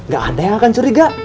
gak ada yang akan curiga